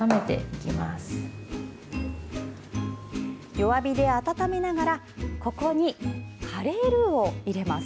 弱火で温めながらここにカレールーを入れます。